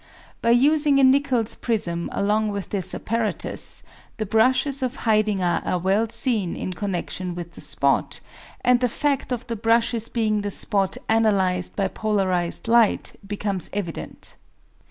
By using a Nicol's prism along with this apparatus, the brushes of Haidinger are well seen in connexion with the spot, and the fact of the brushes being the spot analysed by polarized light becomes evident.